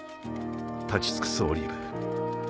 立ち尽くすオリーブ。